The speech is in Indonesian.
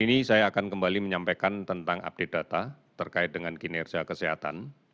hari ini saya akan kembali menyampaikan tentang update data terkait dengan kinerja kesehatan